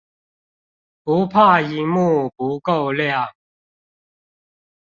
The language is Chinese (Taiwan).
不怕螢幕不夠亮